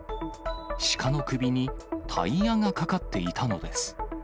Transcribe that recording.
シカの首にタイヤがかかっていたのです。